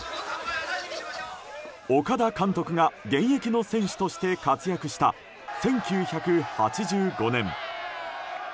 岡田監督が現役の選手として活躍した１９８５年。